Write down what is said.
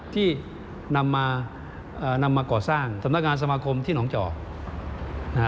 ที่นำมาก่อสร้างทำงานสมาคมที่หนองเจ๋อ